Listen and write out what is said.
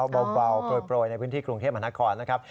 เบาโปรยในพื้นที่กรุงเทพมหานครนะครับ